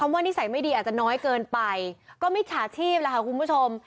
ว่านิสัยไม่ดีอาจจะน้อยเกินไปก็มิจฉาชีพล่ะค่ะคุณผู้ชม